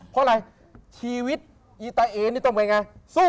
เพราะยังไงชีวิตตัวเองนี่ต้องการยังไง